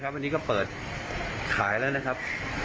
วันนี้ก็เปิดขายแล้วนะครับ